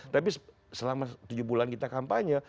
tapi selama tujuh bulan kita kampanye